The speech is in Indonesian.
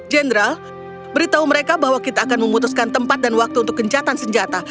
jenderal beritahu mereka bahwa kita akan memutuskan tempat dan waktu untuk kencatan senjata